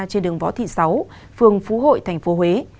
trên đường võ thị sáu phường phú hội tp huế